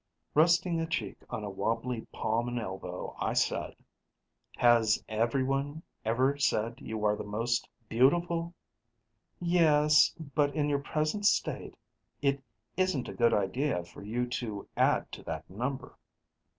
Resting a cheek on a wobbly palm and elbow, I said, "Has everyone ever said you are the most beautiful " "Yes, but in your present state, it isn't a good idea for you to add to that number."